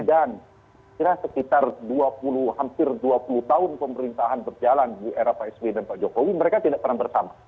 dan sekitar dua puluh hampir dua puluh tahun pemerintahan berjalan di era pak eswi dan pak jokowi mereka tidak pernah bersama